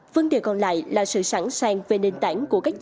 vấn đề còn lại là sự sẵn sàng về nền tảng của các dịch